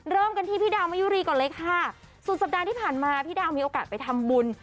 เริ่มกันที่พี่ดาวมายุรีก่อนเลยค่ะสุดสัปดาห์ที่ผ่านมาพี่ดาวมีโอกาสไปทำบุญ